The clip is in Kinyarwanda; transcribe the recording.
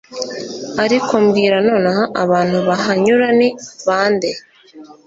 Ariko mbwira nonaha abantu bahanyura ni bande